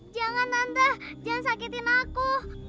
jangan nambah jangan sakitin aku